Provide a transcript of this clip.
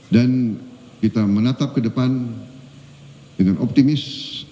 dan kita menatap ke depan dengan optimis